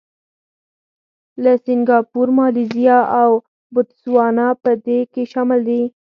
لکه سینګاپور، مالیزیا او بوتسوانا په دې کې شامل دي.